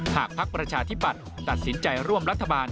ภักดิ์ประชาธิปัตย์ตัดสินใจร่วมรัฐบาล